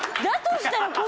だとしたら。